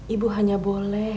ibu hanya boleh